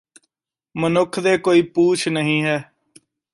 ਮਨੁੱਖ ਦੇ ਕੋਈ ਪੂਛ ਨਹੀਂ ਹੈ